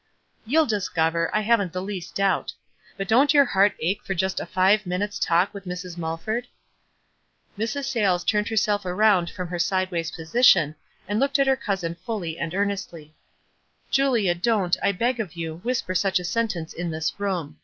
"You'll discover, I haven't the least doubt. But don't your heart ache for just a five minutes talk with Mrs. Mulford?" Mrs. Sayles turned herself around from her sideways position, and looked at her cousin fully and earnestly. 8 WISE AND OTHERWISE. "Julia, don't, I beg of you, whisper such a sentence in this room.